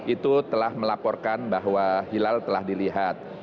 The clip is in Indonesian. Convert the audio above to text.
itu telah melaporkan bahwa hilal telah dilihat